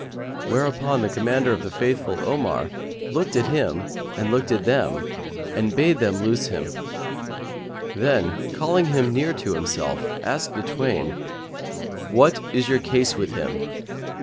Whereupon the Commander of the Faithful, Omar, looked at him and them and bade them loose him; then, calling him near to himself, asked the twain, "What is your case with him?"